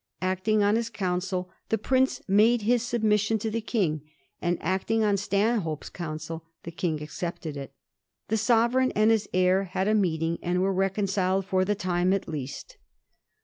Acting on his counsel, the Prince made his submission to the King ; and acting on Stanhope's counsel, the King accepted it. The Sovereign and his heir had a meeting and were reconciled ; for the time, at least.